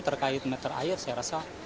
terkait meter air